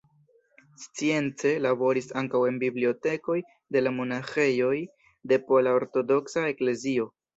Science laboris ankaŭ en bibliotekoj de la monaĥejoj de Pola Ortodoksa Eklezio.